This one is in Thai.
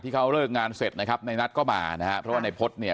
เขาเลิกงานเสร็จนะครับในนัทก็มานะฮะเพราะว่าในพจน์เนี่ย